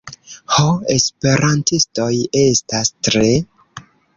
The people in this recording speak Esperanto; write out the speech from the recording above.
ho, esperantistoj estas tre...